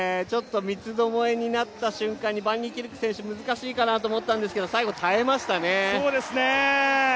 三つどもえになった瞬間にバン・ニーキルク選手難しいかなと思ったんですけど最後、耐えましたね。